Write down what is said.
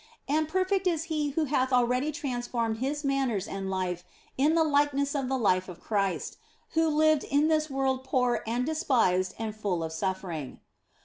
And perfect is he who hath already transformed his manners and life in the likeness of the life of Christ, who lived in this world poor and despised and full of suffering.